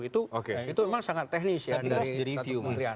itu memang sangat teknis ya dari review kementerian